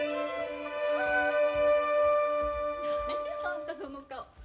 何やあんたその顔。